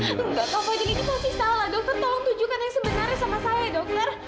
enggak apa apa ini pasti salah dokter tolong tunjukkan yang sebenarnya sama saya dokter